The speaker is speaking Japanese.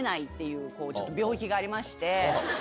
いう病気がありまして。